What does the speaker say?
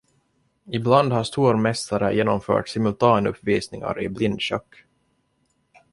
Ibland har stormästare genomfört simultanuppvisningar i blindschack.